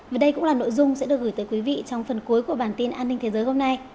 và đây cũng là nội dung sẽ được gửi tới quý vị trong phần cuối của bản tin an ninh thế giới hôm nay